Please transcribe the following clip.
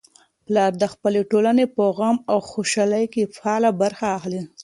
پلار د خپلې ټولنې په غم او خوشالۍ کي فعاله برخه اخلي.